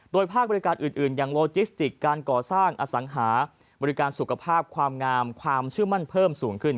โดยภาคบริการอื่นอย่างโลจิสติกการก่อสร้างอสังหาบริการสุขภาพความงามความเชื่อมั่นเพิ่มสูงขึ้น